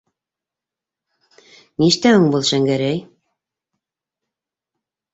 - Ништәүең был, Шәңгәрәй?